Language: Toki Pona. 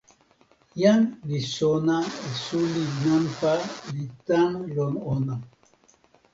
jan li sona e suli nanpa li tan lon ona.